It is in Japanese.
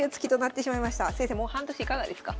もう半年いかがですか？